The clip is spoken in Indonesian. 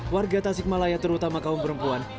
warga tasikmalaya terutama kaum perempuan